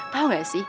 tau gak sih